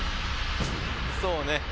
そうね。